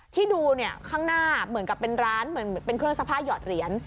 ที่ดูเนี่ยข้างหน้าเหมือนกับเป็นร้านเหมือนเป็นเครื่องซักผ้าหยอดเหรียญ